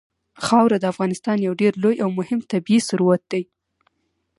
خاوره د افغانستان یو ډېر لوی او مهم طبعي ثروت دی.